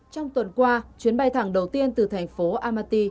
trong tuần qua chuyến bay thẳng đầu tiên từ thành phố amati